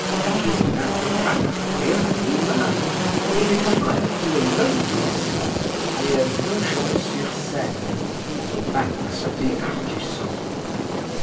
Being now practically a free man, he retired to a lonely spot near Nogent sur Seine, on the banks of the Ardusson.